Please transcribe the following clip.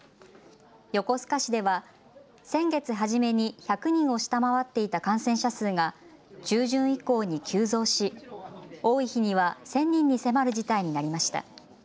横須賀市では先月初めに１００人を下回っていた感染者数が中旬以降に急増し、多い日には１０００人に迫る事態になりました。